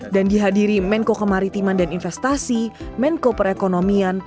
dan dihadiri menko kemaritiman dan investasi menko perekonomian